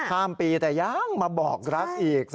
ข้ามปีแต่ยังมาบอกรักอีก